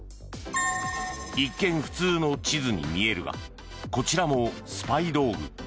一見、普通の地図に見えるがこちらもスパイ道具。